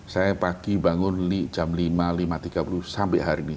saya pagi bangun jam lima lima tiga puluh sampai hari ini